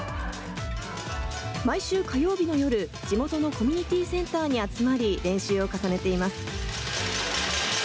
毎週火曜日の夜、地元のコミュニティセンターに集まり、練習を重ねています。